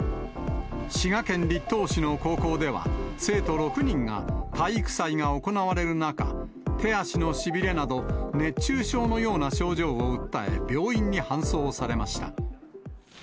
滋賀県栗東市の高校では、生徒６人が体育祭が行われる中、手足のしびれなど熱中症のような症状を訴え、病院に搬送されました。